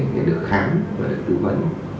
để được khám và được tư vấn